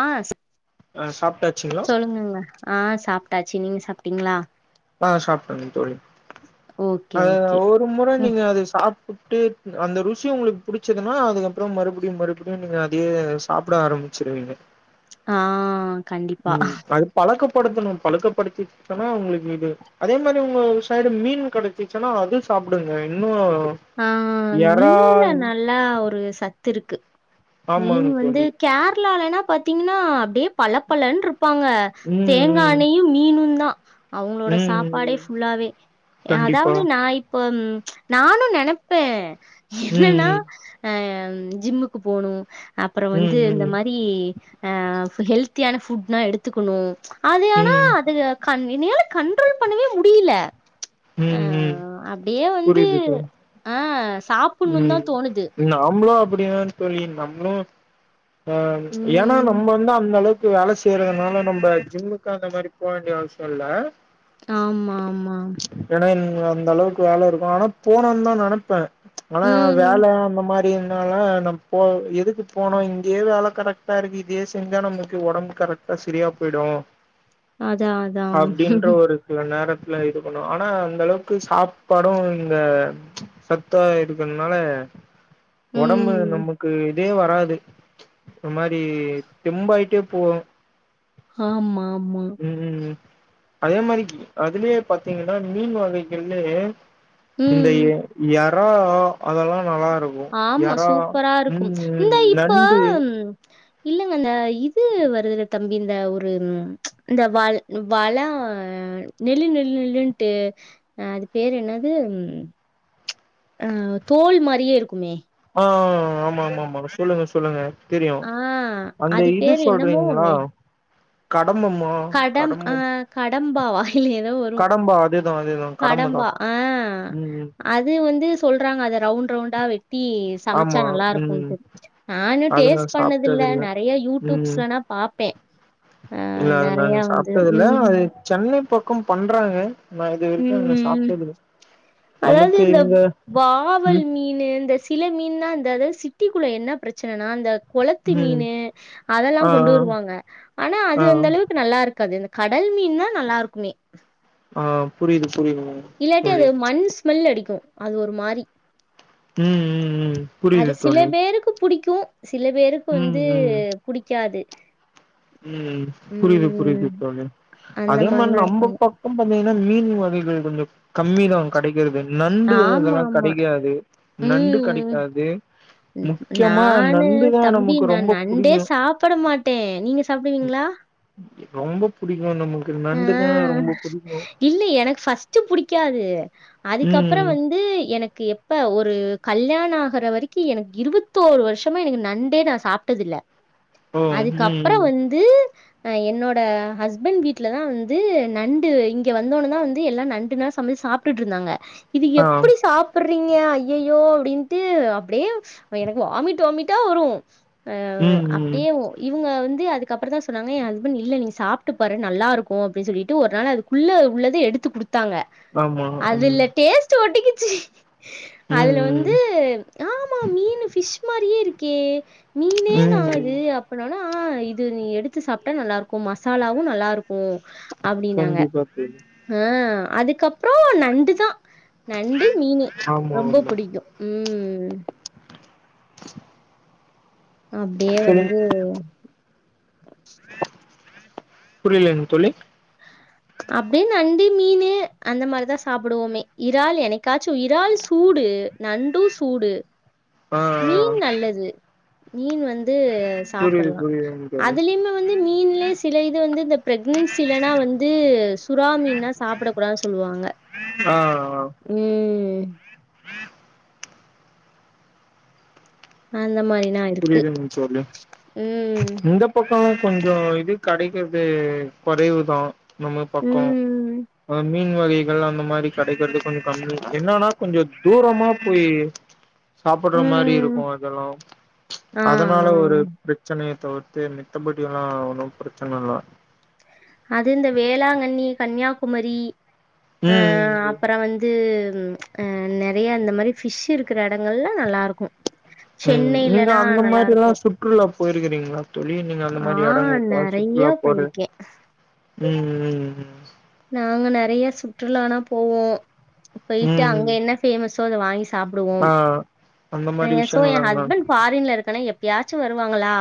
ஆ ஆ சாப்ட்டாச்சுங்களா சொல்லுங்கங்க ஆ சாப்ட்டாச்சு நீங்க சாப்ட்டீங்களா ஆ சாப்ட்டங்க தோழி ஓகே அ ஓகே ஒரு முறை ம் நீங்க அது சாப்பிட்டு அந்த ருசி உங்களுக்கு பிடிச்சதுன்னா அதுக்கப்புற மறுபடியு மறு படியு நீங்க அதே சாப்பிட ஆரம்பிச்சுருவீங்க ஆ கண்டிப்பா ம் அது பழக்கப்படுத்தணு பழக்கப்படுத்தினா அவுங்களுக்கு இது அதே மாரி உங்க சைடு மீன் கிடைச்சிச்சுன்னா அது சாப்பிடுங்க இன்னு இறா மீன்ல ஆ நல்லா ஒரு சத்து இருக்கு மீன் ஆமாங்க வந்து தோழி கேரளாலனா பத் த்தீங்கன்னா அப்படியே பலப்பலன்னு இருப்பாங்க ம் ம் தேங்கானையு மீனுந்தா அவுங்களோட ம் சாப்பாடே ம் ஃபுல்லாவே கண்டிப்பா அதாவது நான் இப்ப நானு நெனப்பே என்னன்னா ம் ஜிம்முக்கு போனு அப்புற வந்து ம் இந்த ம் ம் மாரி ஆ ஹெல்த்தியான ஃபுட்னா எடுத்துக்கணு அது ஆனா ம் அது கன் என்னால கண்ட்ரோல் பண்ணவே முடியல அ ம் ம் அப்படியே வந்து புரியுது தோழி ஆ சாப்பிணு தா ம் தோணுது நாமளு அப்படிதா தோழி நம்மளு ஆ ஏன்னா ம் நம்ம வந்து அந்த அளவுக் க்கு வேலை செய்யறதுனால நம்ம ஜிம்முக்கு அந்த மாரி போக வேண்டிய அவசியோ இல்ல ஆமா ஆமா ஏன்னா அந்த அளவுக்கு வேலை இருக்கு ஆனா போனுன் தா நினைப்பே ஆனா ம் வேலை அந்த மாரி னால நம்ம போ எதுக்கு போணு இங்கேயே வேலை கரெக்டா இருக்கு இதே செஞ்சா நமக்கு உடம்பு கரெக்ட் டா சரியா போயிடு அதா அதா அப்டின்ற ஒரு சில நேரத்துல இது பண்ணுவோ ஆனா அந்த அளவுக்கு சாப்பாடு இங்க த்தா இருக்கிறனால உடம்பு ம் நமக்கு இதே வராது ஒரு மாரி தெம்பாயிட்டே போவோ ஹாமா ஆமா ம் அதே மாரி அதுலயே பாத்தீங்கன்னா மீன் வகைகள்லே இந்த ம் இறா அதெல்லா நல்லா இருக்கு ஆமா எறா சூப்பரா ம் இருக்கும் இந்த ம் இப்ப நண்டு ம் இல்லங்க அந்த இது வருதுல தம்பி இந்த ஒரு இந்த வாழ் வழ நெல்லு நெல்லு நெல்லுன்ட்டு அது பேர் என்னது ஆ தோல் மாரியே இருக்குமே ஆ ஆமா ஆமா மேம் சொல்லுங்க சொல்லுங்க தெரியு ஆ அந்த அது இது பேரு என்னமோ சொல்றீங்களா ஒண்ணு. கடம்பமா கடம் அ கடம்ப கடம்பாவா? இல்ல ஏதோ வரும். கடம்பா அதேதா அதேதா கடம்பதா கடம்பா. ஆ ம் ம் அது வந்து சொல்றாங்க அத ரவுண்ட் ரவுண்டா வெட்டி சமைச்சா ஆமா நல்லா ம் இருக்குன்ட்டு நா இன்னு அது நா டேஸ்ட் பண்ணது இல்ல சாப்ட்டது நறைய ம் யூடியூப்ஸ்லனா பாப்பே இல்ல அது நாங்க சாப்ட்டது இல்ல அது ம். சென்னை பக்கம் பண்றாங்க நா இது வரைக்கு அது ம். சாப்ட்டது இல்ல அதாவது நமக்கு இந்த இங்க வாவல் ம் மீன்னு இந்த சில மீன்லா அந்தாது சிட்டிக்குள்ள என்ன பிரச்சனைனா அந்த கொளத்து ம் மீனு அதெல்லா ஆ கொண்டு வருவாங்க ஆனா ஆ ஆ அது அந்த அளவுக் கு நல்லா இருக்காது இந்த கடல் மீன் தா நல்லாருக்குமே ஆ புரியுது புரியுதுங்க இல்லாட்டி தோழி அது மண் ஸ்மெல் அடிக்கு அது ஒரு மாரி ம் ம் ம் புரியுது அது சில தோழி பேருக்கு புடிக்கு சில பேருக்கு ம் வந்து ம் புடிக்காது ம் புரியது ம் புரியுது இப்ப வந்து அந்த அதே மாரி மாரிலா நம்ப இருப்பாங்க பக் க்கம் பாத்தீங்கனா இந்த மீன் வகைகள் கொஞ்ச கம்மி தா கடைக்கிறது நண்டு ஆமா அதெல்லா ஆமா கடைக்காது நண்டு கடைக்காது ம் ம் நானு தம்பி நமக்கு நா ரொம்ப நண்டே புடிக்கு சாப்பிட மாட் ட்டே நீங்க சாப்டுவீங்ளா ரொம்ப புடிக்கு நம்மளுக்கு நண்டுதா ஆ ரொம்ப பிடிக்கும் இல்ல எனக்கு ஃபஸ்ட்டு புடிக்காது அதுக்கப்பற ம் வந்து எனக்கு எப் ப்ப ஒரு கல்யாண ஆகற வரைக்கு எனக்கு இருவத்தோரு வர்ஷமா எனக்கு நண்டே நா சாப்ட்டதில்ல ஓ ம் அதுக்கப்பற வந்து அ என்னோட ஹஸ்பண்ட் வீட் ட்லதா வந்து நண்டு இங்க வந்தோன தா வந்து எல்லா நண்டுனா சமைச்சு சாப்ட்டுட்ருந்தாங்க இது ஆ எப்டி சாப் பிட்றீங்க ஐயயோ அப்டின்ட்டு அப்டியே எனக்கு வாமிட் வாமிட்டா வரு அ ம் ம் அப்டியேவு இவ்ங்க வந்து அதுக்கப்பறந்தா சொன்னாங்க எ ஹஸ்பண்ட் இல்ல நீங்க சாப்ட்டு பாரு நல்லா இருக்கு அப்டின் சொல்லிட்டு ஒரு நாள் அதுக்குள்ள உள்ளத எடுத்து குடுத்தாங்க ஆமா ம் அதுல டேஸ் ஸ்ட்டு ஒட்டிக்குச்சு ம் அதுல வந்து ம் ஆமா மீனு ஃபிஷ் மாரியே இருக்கே மீனே தா ம் ம் இது அப் ப்டி ஆனா இது நீ எடுத்து சாப்ட்டா நல்லா இருக்கு மசாலாவு நல்லா இருக்கு அப்டின்னாங்க கண்டிப்பா தோழி ஆ அதுக்கப்றோ நண்டுதா நண்டு மீனு ஆமா ரொம்ப ஆமா புடிக்கு ம் அப்டியே சொல்லுங் வந்து புரியல எனக்கு தோழி அப்டின் நண்டு மீனு அந்த மாரிதா சாப்புடுவோமே இறால் என்னைக்காச்சு இறால் சூடு நண்டு சூடு ஆ ஆ மீன் நல்லது மீன் வந்து புரியுது சாப்பிட்லா புரியுதுங் தோழி அதுலயுமே வந்து மீன்லே சில இது வந்து இந்த பிரெக்னன்சிலனா வந் ந்து சுறா மீன்னா சாப்புட கூடாது சொல்லுவாங்க ஆ ம் அந்த மாரினா இருக்கு புரியுதுங் ம் பக்கமு கொஞ்ச இது கடைக்கிறது கொறைவு தா நம்ம பக்கோ ம். அந்த மீன் வகை கள் அந்த மாரி கெடைக்கிறது கொஞ்ச கம்மி என்னானா கொஞ்ச தூரமா போயி சாப்பிட்ற மாரி ம். இருக்கு அதெல்லா ஆ, அதனால ஆ. ஒரு பிரச்சனைய தவிர்த்து மித்தபடிலா ஒன்னு பிரச்சன இல்ல அது இந்த வேளாங்கண்ணி கன்னியாகுமரி அ ம் ம் அப்பற வந் து ம் அ நெறையா இந்த மாரி ஃபிஷ் இருக்கிற எடங்கள்ல நல்லாருக்கு ம் நீங்க அந்த மாரிலா சுற்றுலா போயிருக்குறீங்களா தோழி நீங்க அந்த ஆ மாரி எடங்களுக்கு நெறையா சுற்றுலா போற போயிருக்கேன். ம் ம் நாங்க நெறையா சுற்றுலானா போவோ ம் போயிட்டு ம் அங்க ம் என்ன ஃபேமஸோ அத வாங்கி சா சாப்டுவோம் ஆ அந்த மாரி சோ எ விஷயங்கள்லா ஹஸ்பண்ட் ஃபாரின்ல இருக்கல எப்பயாச்சு வருவாங்களா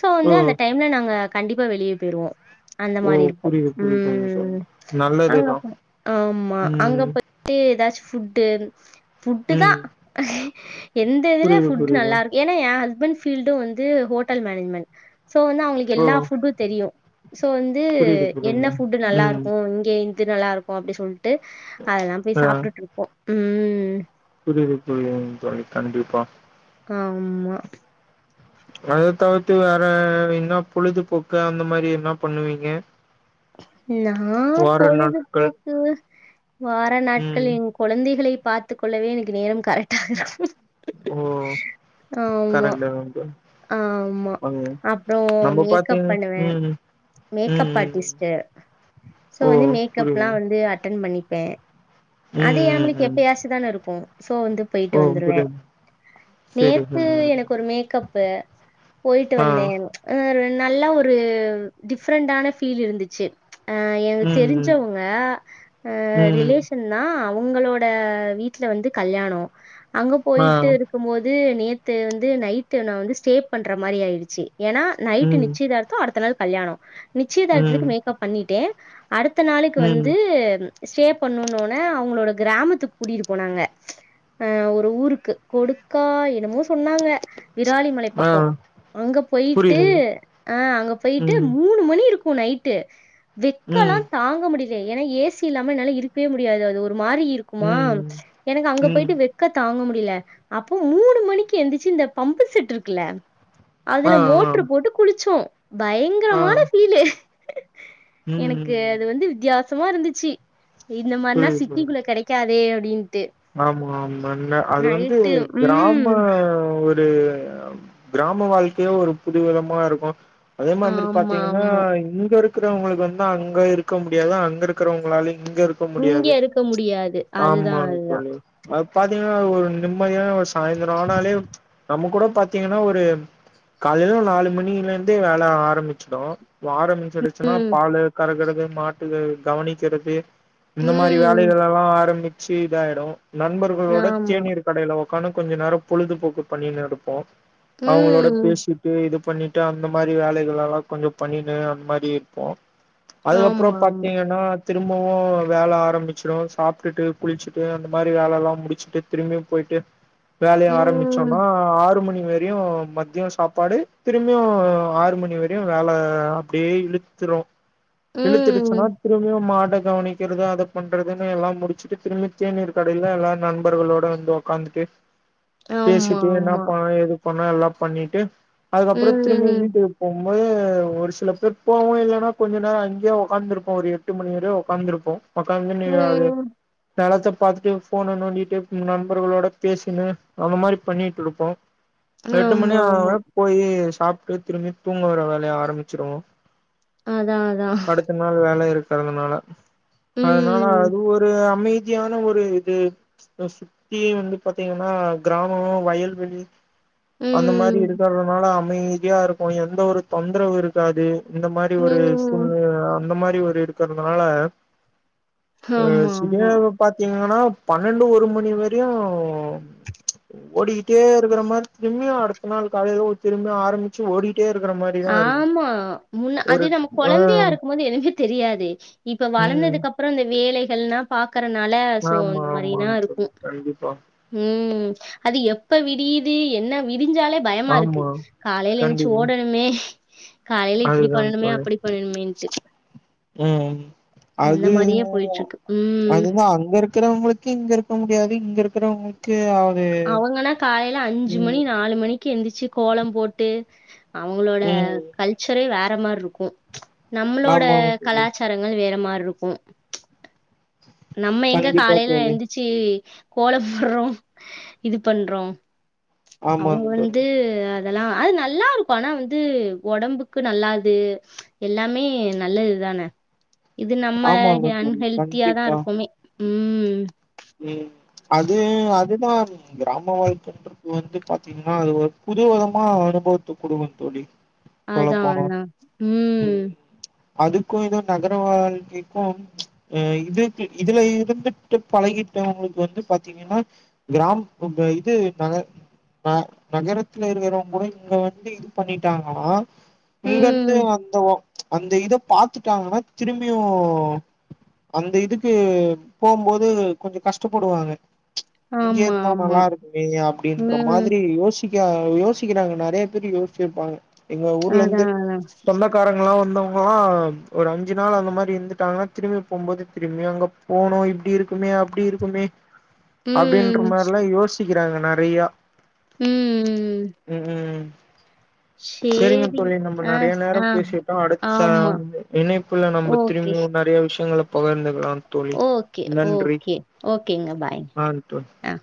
சோ ஓ வந்து அந்த டைம்ல நாங்க கண்டிப்பா வெளியே போயிருவோ அந்த ஓ மாரி இருக்கும் புரியுது உம் புரியுதுங்க தோழி உம் நல்லதுதா அங்கப்ப ஆமா ம் அங்கப்ப ஏதாச்சு ஃபுட்டு ஃபுட்டு தா ம் எந்த இதுல புரியுது ஃபுட் புரியுது நல்லா இருக்கும் ஏன்னா என் ஹஸ்பண்ட் பீல்டும் வந்து ஹோட்டல் மேனேஜ்மெண்ட் சோ வந்து அவுங்க ஓ எல்லா ஃபுட்டு தெரியும் சோ வந்து புரியுது என்ன புரியுது ஃபுட் நல்லா இருக்கும் ம் இங்க இந்து நல்லா இருக்கும் அப்டி சொல்லிட்டு அதெல்லாம் போய் ஆ சாப்டுட் இருப்போம் உம் புரியுது தோழி ந்து அது கண்டிப்பா ஆமா அத தவிர்த்து வேற என்ன பொழுதுபோக்கு அந்த மாரி என்ன பண்ணுவீங்க யார் வார நாட்கள் பொழுதுபோக்கு வார நாட்கள் ம் எங்க கொழந்தைகளை பாத்து கொள்ளவே எனக்கு நேரம் கரெக்டா ஆகும் ஓ கரேக்டு கரேக்ட் ஆ ஆமா அப்றோம் மேக்கப் பாத்தீங்க பண்ணுவே ம் ம் மேக்கப் ம் ஆர்ட்டிஸ்ட் சோ ஓ வந்து மேகப் புரியுது எல்லாம் வந்து அட்டன் பண்ணிப்பே அது ம் நம்மளுக்கு ம் ம் எப்பயாச்சுதான இருக்கும் சோ வந்து போயிட்டு ஓ வந்துருவே புரியுது சரி நேத்து சரி எனக்கு ஒரு மேக்கப் போயிட்டு ஆ வந்தே ஆ நல்ல ஒரு டிஃப்ரெண்ட்டான ஃபீல் இருந்துச்சு எனக்கு ம் ம் தெரிஞ்சவங்க அ ம் ரிலேஷ் ன்னா அவுங்களோட வீட்ல வந்து கல்யாணோம் அங்க ஆ போயிட்டு இரு க்கும் போது நேத்து வந்து நைட்டு நான் வந்து ஸ்டே பண்ற மாரி ஆயிடுச்சு ஏன்னா நைட்டு ம் நிச்சயதார்த்த த்தோ அடுத்த நாள் கல்யாணோம் ம் நிச்சயதரத்துக்கு மேக்கப் பண்ணிட்டே அடுத்த நாளுக்கு ம் வந்து ஸ்டே பண்ணும்ன்னோனே அவுங்களோட கிராமத்துக்கு கூட்டிட்டு போனாங்க அ ஒரு ஊருக்கு கொடுக்கா என்னமோ சொன்னாங்க விராலி மலை ஆ பக்கம் அங்க போயிட்டு புரியுதுங்க அ அங்க போயிட்டு ம் மூணு மணி இருக் நைட்டு வெக்கல்லா ம் தாங்க முடிய எனக்கு ஏசி இல்லாம ‌என்னால இருக்கவே முடியாது அது ஒரு மாரி இருக்குமா ம் எனக்கு அங்க ம் போயிட்டு வெக்க தாங்க முடியல அப்போ மூணு மணிக்கு எந்திச்சு இந்த பம்பு செட் இருக்குல அதுல ஆ ஆ மோட்ரு போட்டு குளிச்சோ ஆ பயங்கரமான ஃபீல்லு ம் எனக்கு ம் அது வந்து வித்தியாசமா இருந்துச்சி இந்த மாரிலா புரியுது சிட்டிக்குள்ள புரியுது கெடைக் கெடைக்காதே அப்டின்ட்டு ஆமா ஆமா என்ன அது வந்து நைட்டு கிராம ம். ஒரு இது கிராம வாழ்க்கையே ஒரு புது விதமா இருக்கும். அதே மாதிரி ஆமா, பாத்தீங்கன்னா ஆமா. இங்க இரு இருக்கிறவங்களுக்கு வந்து அங்க இருக்க முடியாது அங்க இருக்கிறவங்களால இங்க இரு இங்க இருக்க முடியாது அதுதா அதுதா தோழி அது பாத்தீங்கன்னா ஒரு நிம்மதியான சாயிந்திரோம் ஆனாலே நம்ம கூட பாத் பாத்தீங்கன்னா ஒரு காலையில நாலு மணில இருந்தே வேல ஆரம்பிச்சிடும். ஆரம்பிச்சிடுச்சுன்னா ம், பாலு கறக்குறது மாட்டு கவனிக்கிறது இந்த மாரி ம். வேலைகள் எல்லாம் ஆரம்பிச்சு இதாயிடு நண்பர்களோட ஆமா. தேநீர் கடையில ஒக்கான்னு கொஞ்ச நேரோம் பொழுதுபோக்கு பண்ணின்டு இருப்போ அவுங்களோட ம். பேசி இது பண்ணிட்டு அந்த மாரி வேலைகள் எல்லாம் கொஞ்சம் பண்ணின்னு அந்த மாரி இருப்போம் ஆமா, அதுக்கப்புறோம் ஆமா. பாத்தீங்கன்னா திரும்பவும் வேல ஆரம்பிச்சிடும் சாப்டுட்டு, குளிச்சுட் இது இந்த மாரி வேலல்லாம் முடிச்சுட்டு திரும்பியும் போயிட்டு வேலையும் ஆரம்பிச் ம். சொன்னா ஆறு மணி வரயு மதிய சாப்பாடு திரும்பியு ஆறு மணி வரையு வேல அப்டியே இழுத்ருவோ [unintelligible] இழுத்துருச்சுன்னா ம். திரும்பியு மாட்ட கவனிக்கிறது அத பண்றதுன்னு எல்லா முடிச்சிட்டு திரும்பி தேநீர் கடையில எல்லா நண்பர்களோட வந்து ஒக்காந்துட்டு ஆமா, பேசிட்டு ஆமா. என்னாபா ஏது [unintelligible] எல்லா பண்ணிட்டு அதுக்கப்றோ திரும்பி வீட்ட ம். விட் போம்போது ஒரு சில பேர் போவோ இல்லனா கொஞ்ச நேர அங்யே ஒக்காந்துருப்போ ஒரு எட்டு மணி வரையு ஒக்காந்துருப்போ ஒக்காந்து நீ [unintelligible] ம். நெலத்த பாத்துட்டே போன நோண்டிட்டு நண்பர்களோட பேசின்னு அந்த மாரி பண்ணிட்ருப்போ [unintelligible] எட்டு மணி ஆமா, ஆமா. ஆவே போயி் சாப்ட்டு திரும்பி தூங்க வர வேலயா ஆரம்பிச்சிருவோ அதா அதா மத்த நாள் வேல இருக்கிறதுனால அதனால ம். அது ஒரு அமை தியான ஒரு இது சுத்தியு வந்து பாத்தீங்கன்னா கிராம வயல்வெளி அந்த மாரி ம். இருக்கறனால அமைதியா இருக்கு எந்த ஒரு தொந்தரவு இருக்காது இந்த மாரி ஒரு ம். சூழ்நெல அந்த மாரி ஒரு இருக்கறதுனால அ ஆமா, ஆமா. [unintelligible] பாத்தீங்கன்னா பன்னெண்டு ஒரு மணி வரையு ஓடிக்கிட்டே இருக்ற மாரி திரும்பியு அடுத்த நாள் காலைல திரும்ப ஆரம்பிச்சி ஓடி டே இருக்ற மாரி ஆமா முன்ன அது நம்ம ஆ கொழந்தையா இருக்கும் போது எதுமே தெரியாதே இப்ப ம் வளந்ததுக்கு அப்றோ இந்த வேலைகள்னா பாக்றனால சோ ஆமா அந்த மாரிதா ஆமாங் தோழி இருக்கு கண்டிப்பா ம் அது எப்ப விடியிது என்ன விடிஞ்சாலே பயமா இருக்கு ஆமா காலைல என்ச்சு கண்டிப்பா ஓடணுமே காலைல இப்டி அதுதான் பண்ணணுமே தோழி அப்டி பண்ணனுமேன்டு ம் அது தா மாரியே போயிட்டுருக்கு. ம். அதுதா அங்க இருக் இக்கிறவங்களுக்கு இங்க இருக்க முடியாது இங்க இருக்குறவங்களு க்குவாது அவங்கனா காலைல அஞ்சி மணி நாலு மணி க்கு எந்திர்ச்சி கோலம் போட்டு அவங்களோட ம் கல்ச்சரே வேற மார்ருக்கு நம்மளோட ஆமாங்க தோழி கலாச்சாரங்கள் வேற மார்ருக்கு நம்ம எங்க கண்டிப்பா காலைல தோழி எந்திர்ச்சி கோல போட்றோ இது பண்றோ அவங்க ஆமாங்க தோழி வந்து அதெல்லா ஆ நல்லாருக்கு ஆனா வந்து ஒடம்புக்கு நல்லா அது எல்லாமே நல்லதுதானே இது நம்ம ஹே ஆமாங்க தோழி அன்ஹெல்த்தியா தா கண்டிப்பா இருக் குமே ம் ம் ம் அது அதுதா கிராம வாய் [unintelligible] வந்து பாத்தீங்கன்னா அது ஒரு புதுவிதமா அனுபவத்த குடுக்கு தோழி சொல்ல அதான், போனா அதான். ம். அதுக்கு எதோ நகர வாழ்க்கைக்கும் இதுக்கு இதுல இருந்துட்டு பழகிட்டவங்களுக்கு வந்து பாத்தீங்கன்னா கிராம் இந்த இது நக அ நகரத்துலே இருக்கிறவங்க கூட இங்க வந்து இது பண்ணிட்டாங்களா இங்க ம். இருந்து வந்த ஒ அந்த இத பாத்துட்டாங்கன்னா திரும்பியு அந்த இதுக்கு போகும்போது கொஞ்ச கஷ்ட்டப்படுவாங்க இங்க ஆமா, இருந்தா ஆமா. நல்லா இருக்குமே அப்படின்ற ம். மாதிரி யோசி ங்க யோசிக்கிறாங்க நிறைய பேரு யோசிச்சிருப்பாங்க எங்க ஊர்ல இருந்து அதான், அதான். சொந்தக்காரங்க எல்லாம் வந்தவங்கள்லாம் ஒரு அஞ்சு நாள் அந்த மாதிரி இருந்துட்டாங்கன்னா திரும்பி போகும்போது திரும்பி அங்க போனும் இப்படி இருக்கு உடனே அப்படி இருக்குமே அப்படின்ற ம். மாறி எல்லாம் யோசிக்கிறாங்க நெறைய ம். ம் ம் சரிங்க சரி. தோழி நம்ம ஆ, நிறைய ஸ்- ஆ. நேரம் பேசிட்டோம் அடுத்த ஆமா. இணைப்புல நம்ம ஓகே. திரும்பி ஓ நெறைய விஷயங்கள பகிர்ந்துக்கலாம் ஓகே ஓகே ஓகேங்க பாய்ங்க ஆ தோழி ஆ